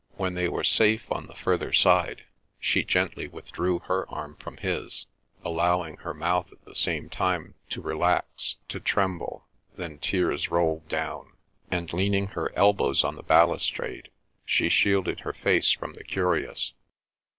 When they were safe on the further side, she gently withdrew her arm from his, allowing her mouth at the same time to relax, to tremble; then tears rolled down, and leaning her elbows on the balustrade, she shielded her face from the curious.